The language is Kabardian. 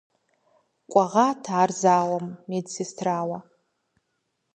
Кӏуэгъат ар зауэм медсестрауэ.